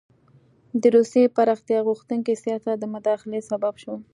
د روسیې پراختیا غوښتونکي سیاست د مداخلې سبب شو.